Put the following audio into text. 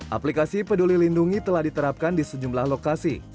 aplikasi peduli lindungi telah diterapkan di sejumlah lokasi